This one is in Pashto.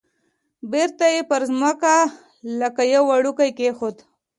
بیرته یې پر مځکه لکه یو وړوکی کېښود.